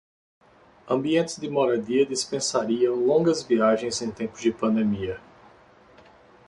Ambientes de moradia dispensariam longas viagens em tempos de pandemia